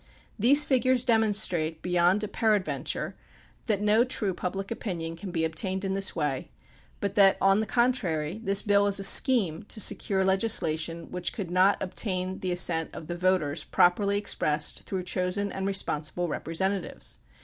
These figures demonstrate beyond a peradventure that no true public opinion can be obtained in this way, but that on the contrary this bill is a scheme to secure legislation which could not obtain the assent of the voters properly expressed through chosen and respon sible representatives.